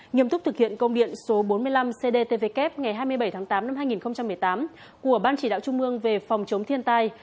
nghiêm túc thực hiện công điện số bốn mươi năm cdtvk ngày hai mươi bảy tháng tám năm hai nghìn một mươi tám của ban chỉ đạo trung ương về phòng chống thiên tai